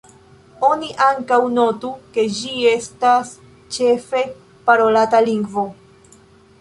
Oni ankaŭ notu, ke ĝi estas ĉefe parolata lingvo.